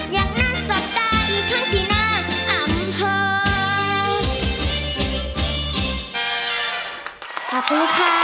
อยากนั่งสบตาอีกครั้งที่หน้าอำเภอ